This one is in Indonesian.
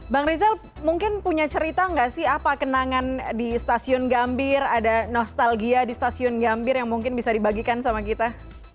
bang rizal mungkin punya cerita nggak sih apa kenangan di stasiun gambir ada nostalgia di stasiun gambir yang mungkin bisa dibagikan sama kita